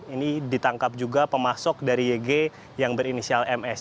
ini ditangkap juga pemasok dari yg yang berinisial ms